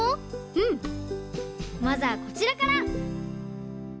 まずはこちらから！